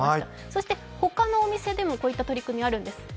そして他のお店でも、こういった取り組みがあるんです。